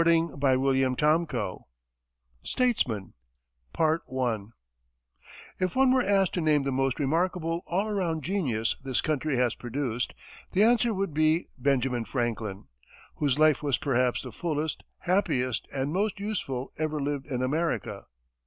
CHAPTER V STATESMEN If one were asked to name the most remarkable all around genius this country has produced, the answer would be Benjamin Franklin whose life was perhaps the fullest, happiest and most useful ever lived in America.